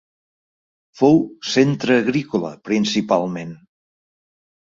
Fou centre agrícola principalment.